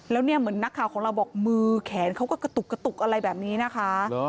แล้วเนี่ยเหมือนนักข่าวของเราบอกมือแขนเขาก็กระตุกกระตุกอะไรแบบนี้นะคะ